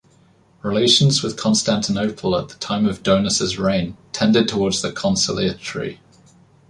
Relations with Constantinople at the time of Donus' reign tended towards the conciliatory.